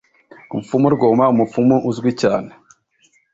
umupfumu rwoma umupfumu uzwi cyane